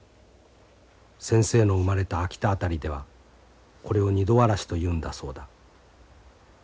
先生の生まれた秋田辺りではこれを『二度わらし』と言うんだそうだ。